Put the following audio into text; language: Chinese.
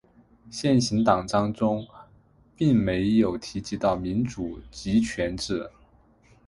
现行党章中并没有提到民主集权制。